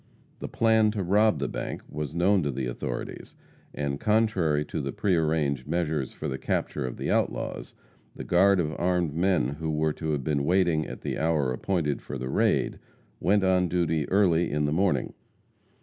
The plan to rob the bank was known to the authorities, and contrary to the pre arranged measures for the capture of the outlaws, the guard of armed men who were to have been in waiting at the hour appointed for the raid, went on duty early in the morning.